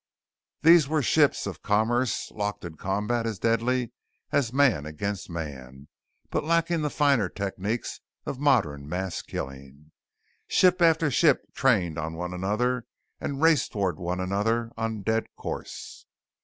These were ships of commerce locked in combat as deadly as man against man, but lacking the finer techniques of modern mass killing. Ship after ship trained on one another and raced towards one another on dead course.